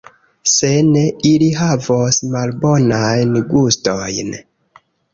Se ne, ili havos malbonajn gustojn.